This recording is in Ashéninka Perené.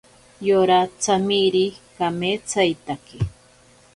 Yora tsamiri kametsaitake.